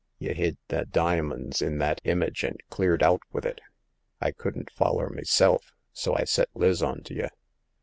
Y' hid the dimins in that image, and cleared out with it. I couldn't foUer meself, so I set Liz ont' ye.